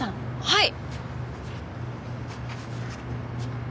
はい！